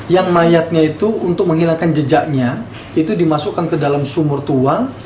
yang mayatnya itu untuk menghilangkan jejaknya itu dimasukkan ke dalam sumur tuang